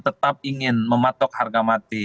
tetap ingin mematok harga mati